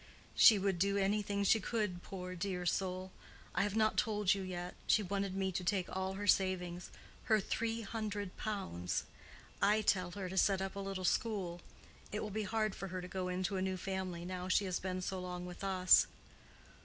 "She would do anything she could, poor, dear soul. I have not told you yet—she wanted me to take all her savings—her three hundred pounds. I tell her to set up a little school. It will be hard for her to go into a new family now she has been so long with us."